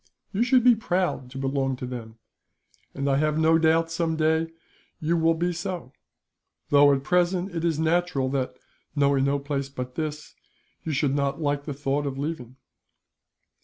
You should be proud to belong to them, and I have no doubt some day you will be so; though at present it is natural that, knowing no place but this, you should not like the thought of leaving."